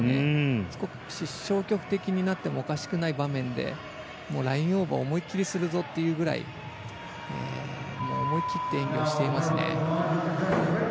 少し消極的になってもおかしくない場面でラインオーバー思い切りするぞというくらい思い切って演技をしていますね。